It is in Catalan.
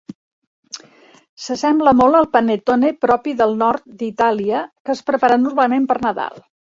S'assembla molt al panettone, propi del nord d'Itàlia, que es prepara normalment per Nadal.